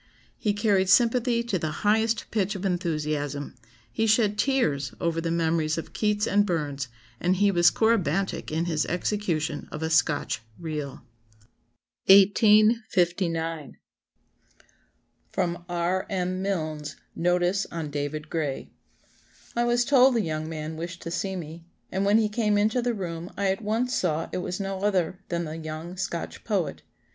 He carried sympathy to the highest pitch of enthusiasm; he shed tears over the memories of Keats and Burns, and he was corybantic in his execution of a Scotch 'reel.'" 1859. [Sidenote: R. M. Milnes's Notice on David Gray.] "I was told a young man wished to see me, and when he came into the room I at once saw it was no other than the young Scotch poet.